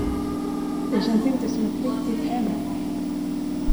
Det känns inte som ett riktigt hem.